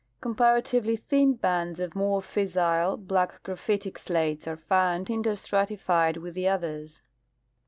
Comparatively thin bands of more fissile, black graphitic slates are found interstratified with the others.